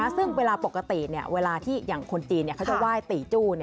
ซึ่งเวลาปกติเวลาที่อย่างคนจีนเขาจะไหว้ตีจู้